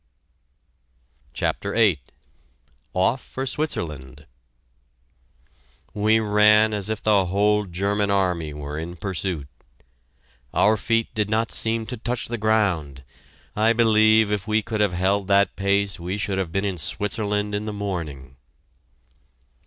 CHAPTER VIII OFF FOR SWITZERLAND! We ran as if the whole German Army were in pursuit. Our feet did not seem to touch the ground. I believe if we could have held that pace we should have been in Switzerland in the morning!